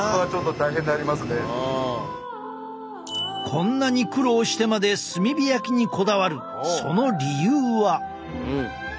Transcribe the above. こんなに苦労してまで炭火焼きにこだわるその理由は。